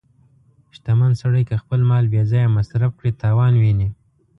• شتمن سړی که خپل مال بې ځایه مصرف کړي، تاوان ویني.